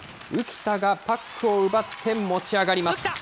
浮田がパックを奪って持ち上がります。